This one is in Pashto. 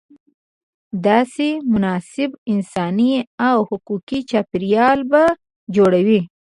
داسې مناسب انساني او حقوقي چاپېریال به جوړوې.